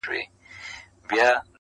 په شپو شپو یې سره کړي وه مزلونه.!